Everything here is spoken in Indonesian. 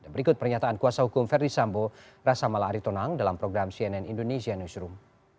berikut pernyataan kuasa hukum verdi sambo rasa mala aritonang dalam program cnn indonesia newsroom